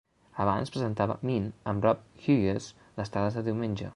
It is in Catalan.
Abans presentava "Mint" amb Rob Hughes les tardes de diumenge.